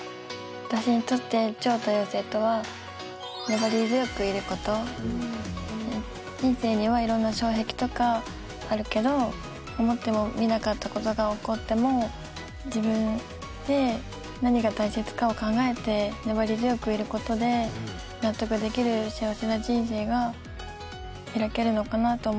私にとって超多様性とは人生にはいろんな障壁とかあるけど思ってもみなかったことが起こっても自分で何が大切かを考えて粘り強くいることで納得できる幸せな人生が開けるのかなと思って。